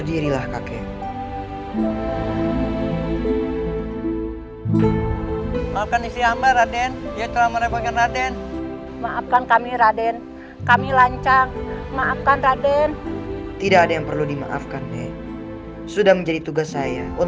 ikut nak clues dieben